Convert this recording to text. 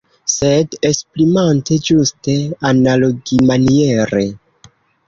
Sed esprimante ĝuste analogimaniere.